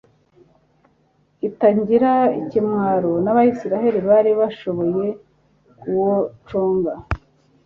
itangira ikinwamo nabasirikare bari bashoboye kuwoconga